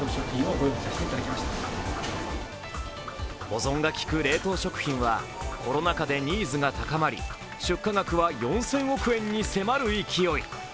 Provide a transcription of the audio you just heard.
保存がきく冷凍食品はコロナ禍でニーズが高まり出荷額は４０００億円に迫る勢い。